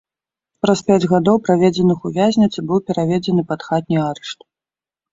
Праз пяць гадоў, праведзеных у вязніцы, быў пераведзены пад хатні арышт.